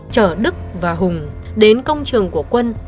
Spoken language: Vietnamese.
chở đức và hùng đến công trường của quân